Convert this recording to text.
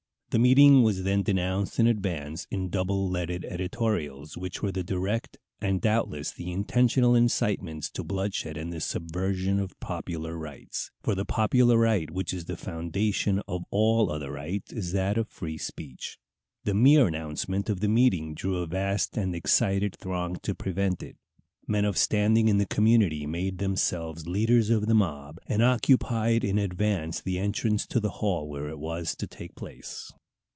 The meeting was then denounced in advance in double leaded editorials, which were the direct, and doubtless the intentional incitements to bloodshed and the subversion of popular rights; for the popular right which is the foundation of all other rights is that of free speech. The mere announcement of the meeting drew a vast and excited throng to prevent it. Men of standing in the community made themselves leaders of the mob, and occupied in advance the entrance to the hall where it was to take place.